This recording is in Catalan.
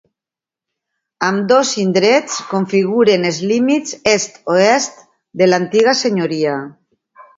Ambdós indrets configuren els límits est-oest de l'antiga senyoria.